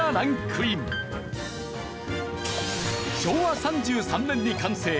昭和３３年に完成。